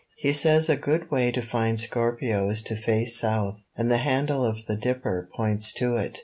He says a good way to find Scorpio is to face south, and the handle of the Dipper points to it.